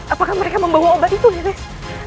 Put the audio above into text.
apakah mereka membawa obat itu jenis